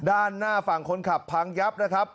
ด้านหน้าฝั่งคนขับพังยับนะครับ